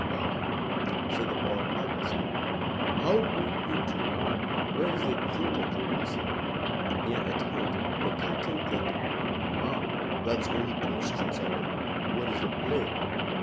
"Bah!" said the old man with a snarl. "How good you two are. Where is the theatre, Julius?" "Near at hand. The Curtain Theatre." "Ah! That's only two streets away. What is the play?"